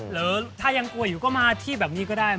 หรือถ้ายังกลัวอยู่ก็มาที่แบบนี้ก็ได้